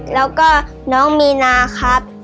แล้วก็น้องมีนาครับ